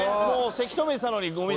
せき止めてたのにゴミで。